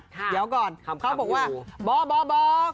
เดี๋ยวก่อนเขาบอกว่าบ๊อบบ๊อบบ๊อบ